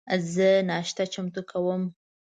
زه ناشته چمتو کوم